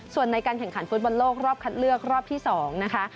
ส่วนในการแข่งขันฟุตบอลโลกรอบคัดเลือกรอบที่๒นะคะ